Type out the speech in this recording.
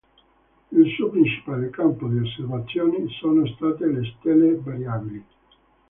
Il suo principale campo di osservazioni sono state le stelle variabili.